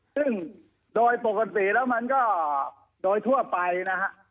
ซึ่งโดยปกติแล้วมันก็โดยทั่วไปนะฮะ